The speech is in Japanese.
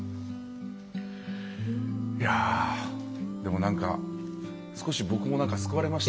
いやでもなんか少し僕も救われました。